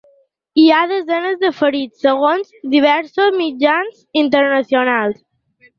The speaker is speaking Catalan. Hi ha desenes de ferits, segons diversos mitjans internacionals.